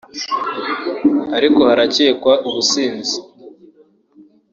ariko harakekwa ubusinzi